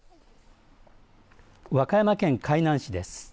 和歌山県海南市です。